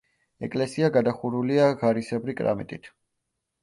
ეკლესია გადახურულია ღარისებრი კრამიტით.